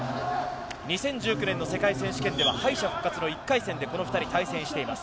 ２０１９年の世界選手権では敗者復活の１回戦でこの２人は対戦しています。